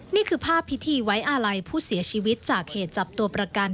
นี่คือภาพพิธีไว้อาลัยผู้เสียชีวิตจากเหตุจับตัวประกัน